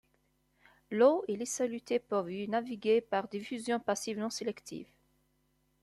L'eau et les solutés peuvent y naviguer par diffusion passive non sélective.